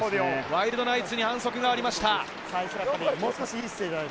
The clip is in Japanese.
ワイルドナイツに反則がありました。